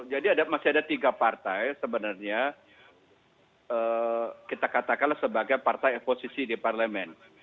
jadi masih ada tiga partai sebenarnya kita katakan sebagai partai posisi di parlemen